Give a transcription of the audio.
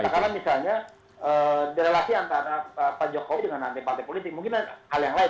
karena misalnya di relasi antara pak jokowi dengan antepak politik mungkin hal yang lain